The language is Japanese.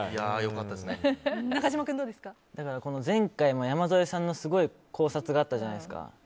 前回も山添さんのすごい考察があったじゃないですか。